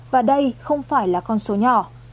và đây không phải là con số nhỏ